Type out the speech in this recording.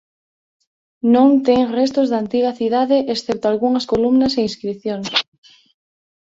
Non ten restos da antiga cidade excepto algunhas columnas e inscricións.